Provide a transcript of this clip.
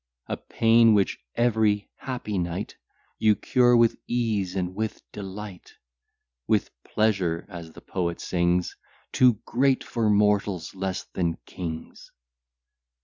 A pain which every happy night You cure with ease and with delight; With pleasure, as the poet sings, Too great for mortals less than kings.